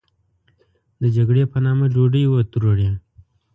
د جګړې په نامه ډوډۍ و تروړي.